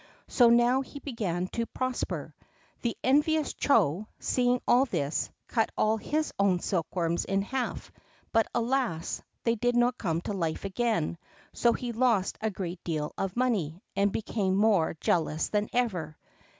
So now he began to prosper. The envious Chô, seeing this, cut all his own silkworms in half, but, alas! they did not come to life again, so he lost a great deal of money, and became more jealous than ever.